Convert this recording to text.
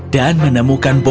dan menemukan panggilan